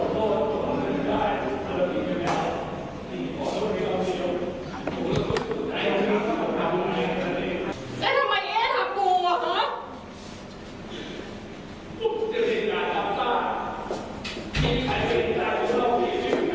พี่คิดว่าพี่ขอโทษแล้วก็ทำไมไม่ได้พี่คิดว่าพี่ขอโทษแล้วก็ทำไมไม่ได้